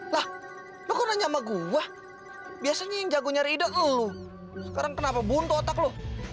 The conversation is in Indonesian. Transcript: lah lu kok nanya sama gue biasanya yang jago nyari ide lu sekarang kenapa buntu otak lu